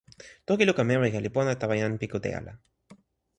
toki luka Mewika li pona tawa jan pi kute ala.